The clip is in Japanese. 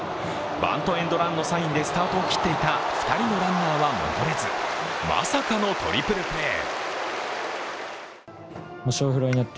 バントエンドラインのサインでスタートを切っていた２人のランナーは戻れず、まさかのトリプルプレー。